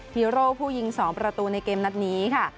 ฮีโร่ผู้ยิง๒ประตูในเกมนัดนี้ค่ะ